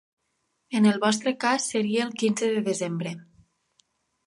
En el vostre cas seria el dia quinze de desembre.